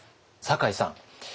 酒井さん